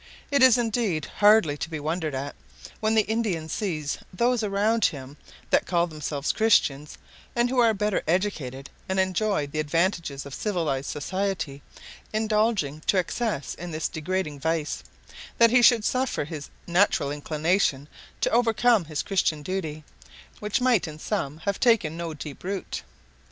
It is indeed hardly to be wondered at, when the Indian sees those around him that call themselves Christians, and who are better educated, and enjoy the advantages of civilized society, indulging to excess in this degrading vice, that he should suffer his natural inclination to overcome his Christian duty, which might in some have taken no deep root.